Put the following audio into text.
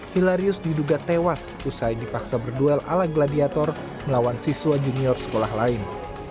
hilarius diduga tewas usai dipaksa berduel ala gladiator melawan siswa junior sekolah lain